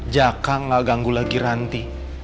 jaka gak ganggu lagi ranti